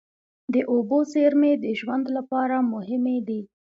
د اوبو زیرمې د ژوند لپاره مهمې دي.